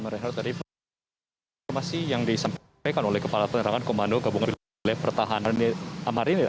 mereka tadi informasi yang disampaikan oleh kepala penerangan komando gabungan bilek pertahanan di amarinir